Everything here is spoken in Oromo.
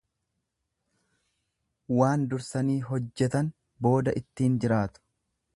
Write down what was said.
Waan dursanii hojjetan booda ittiin jiraatu.